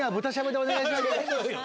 お願いします。